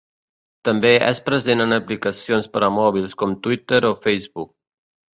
També és present en aplicacions per a mòbils com Twitter o Facebook.